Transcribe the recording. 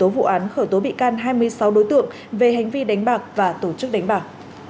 vụ án khởi tố bị can hai mươi sáu đối tượng về hành vi đánh bạc và tổ chức đánh bạc